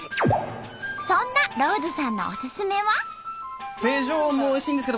そんなローズさんのおすすめは？